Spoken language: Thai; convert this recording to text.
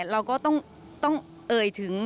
เราก็ต้องเอ่ยถึง